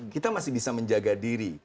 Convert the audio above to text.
kita masih bisa menjaga diri